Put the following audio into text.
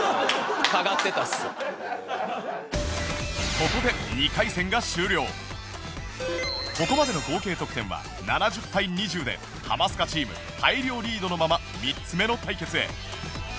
ここでここまでの合計得点は７０対２０でハマスカチーム大量リードのまま３つ目の対決へ